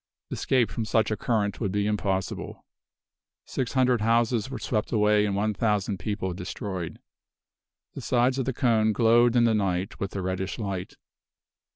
Escape from such a current would be impossible. Six hundred houses were swept away and one thousand people destroyed. The sides of the cone glowed in the night with a reddish light.